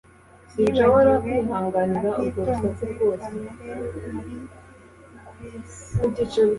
Yibagiwe atitonze kamera muri bisi